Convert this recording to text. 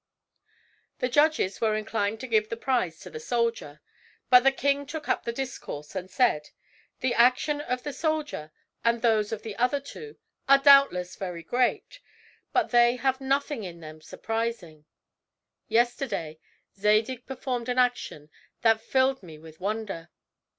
The judges were inclined to give the prize to the soldier. But the king took up the discourse and said: "The action of the soldier, and those of the other two, are doubtless very great, but they have nothing in them surprising. Yesterday Zadig performed an action that filled me with wonder.